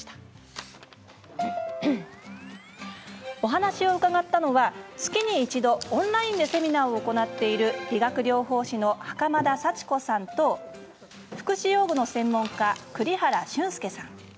お話を伺ったのは月に一度オンラインでセミナーを行っている理学療法士の袴田さち子さんと福祉用具の専門家、栗原俊介さん。